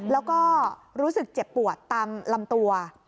แล้วก็รู้สึกเจ็บปวดตามลำตัว